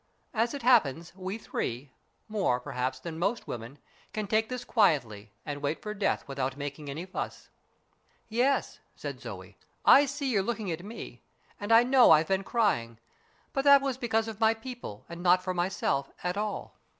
As it happens, we three, more, perhaps, than most women, can take this quietly and wait for death without making any fuss." " Yes," said Zoe. " I see you're looking at me, and I know I've been crying. But that was because of my people, and not for myself at all.